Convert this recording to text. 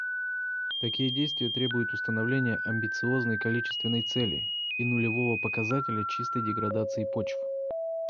Такие действия требуют установления амбициозной количественной цели и нулевого показателя чистой деградации почв.